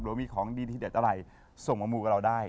หรือมีของดีทีเด็ดอะไรส่งมามูกับเราได้